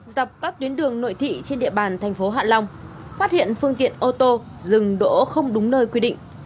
dọc các tuyến đường nội thị trên địa bàn thành phố hạ long phát hiện phương tiện ô tô dừng đỗ không đúng nơi quy định